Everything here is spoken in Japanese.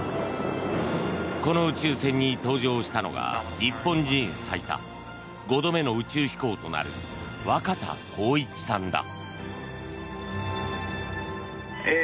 この宇宙船に搭乗したのが日本人最多５度目の宇宙飛行となる若田光一さんだ。